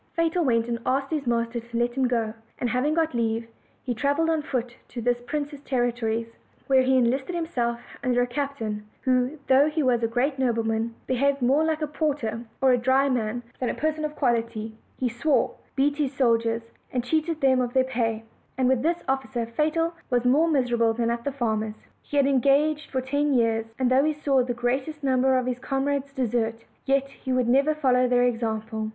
Fatal went and asked his master to let him go; and having got leave, he traveled on foot to this prince's territories, where he en listed himself under a captain who, though he was a great nobleman, behaved more like a porter or a drayman than a person of quality; he swore, beat his soldiers, and cheated them of their pay and with this officer Fatal was more miserable than at the farmer's. He had en gaged for ten years; and though he saw the greatest number of his comrades desert, yet he would never follow their example.